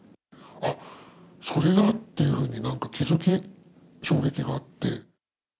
あっ、それだっていうふうに、なんか気付き、衝撃があって。